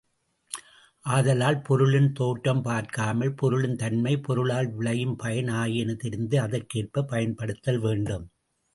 ஆதலால் பொருளின் தோற்றம் பார்க்காமல் பொருளின் தன்மை, அப்பொருளால் விளையும் பயன் ஆகியன தெரிந்து அதற்கேற்பப் பயன்படுத்தல் வேண்டும்.